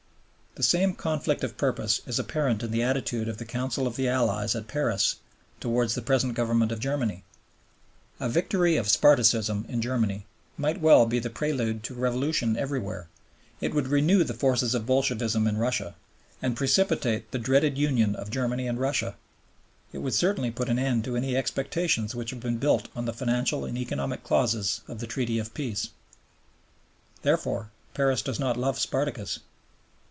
The same conflict of purpose is apparent in the attitude of the Council of the Allies at Paris towards the present Government of Germany. A victory of Spartacism in Germany might well be the prelude to Revolution everywhere: it would renew the forces of Bolshevism in Russia, and precipitate the dreaded union of Germany and Russia; it would certainly put an end to any expectations which have been built on the financial and economic clauses of the Treaty of Peace. Therefore Paris does not love Spartacus.